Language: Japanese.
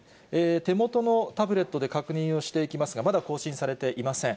手元のタブレットで確認をしていきますが、まだ更新されていません。